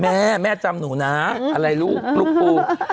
แม่แม่จำหนูนะอะไรลูกลูกปู